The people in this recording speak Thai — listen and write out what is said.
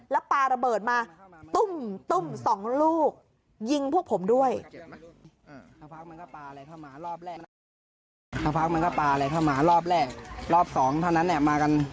แล้วปลาระเบิดมาตุ้มตุ้มสองลูกยิงพวกผมด้วย